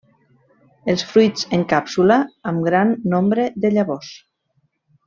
Els fruits en càpsula, amb gran nombre de llavors.